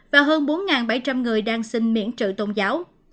và hơn bốn bảy trăm linh người đang xin miễn trợ tôn giáo